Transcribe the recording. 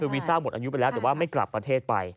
วีซ่าหมดอายุไปแล้วแต่ว่าไม่กลับประเทศไป